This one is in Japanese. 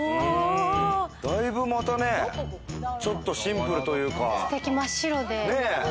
だいぶ、またね、ちょっとシンプルというか。